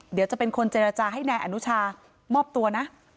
เดี๋ยวจะเป็นคนเจรจาให้นายอนุชามอบตัวนะ